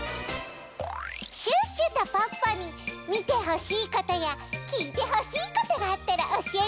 シュッシュとポッポにみてほしいことやきいてほしいことがあったらおしえてね！